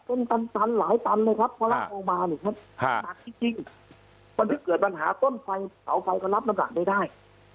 เป็นตันหลายตันเลยครับพลาโครมาเนี่ยครับจากจริงวันที่เกิดปัญหาต้นไฟเสาไฟก็รับน้ำบัตรได้